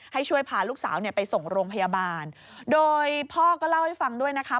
ให้ช่วยพาลูกสาวเนี่ยไปส่งโรงพยาบาลโดยพ่อก็เล่าให้ฟังด้วยนะคะ